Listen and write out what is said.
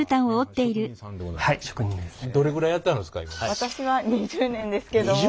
私は２０年ですけども。